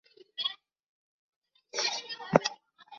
社名是相对于川上村的丹生川上神社上社。